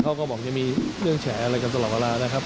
เขาก็บอกจะมีเรื่องแฉอะไรกันตลอดเวลานะครับ